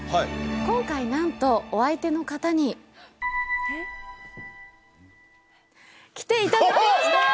今回なんとお相手の方に来ていただきました！